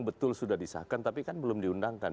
betul sudah disahkan tapi kan belum diundangkan